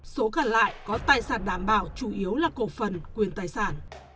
số còn lại có tài sản đảm bảo chủ yếu là cổ phần quyền tài sản